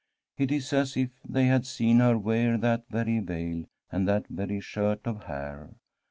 It is as if they had seen her wear that very veil and that very shirt of hair.